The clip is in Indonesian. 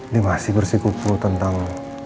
dia masih bersikupu tentang